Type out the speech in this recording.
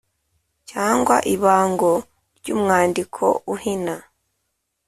cyangwa ibango ry’umwandiko uhina.